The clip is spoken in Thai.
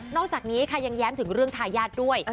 อกจากนี้ค่ะยังแย้มถึงเรื่องทายาทด้วย